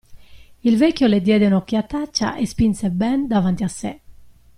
Il vecchio le diede un'occhiataccia e spinse Ben davanti a sé.